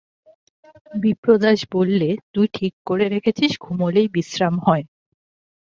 বিপ্রদাস বললে, তুই ঠিক করে রেখেছিস ঘুমোলেই বিশ্রাম হয়!